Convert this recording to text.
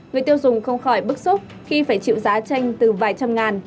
người tiêu dùng không khỏi bức xúc khi phải chịu giá tranh từ vài trăm ngàn